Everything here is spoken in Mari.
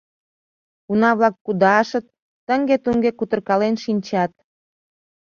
Уна-влак кудашыт, тыҥге-туҥге кутыркален шинчат.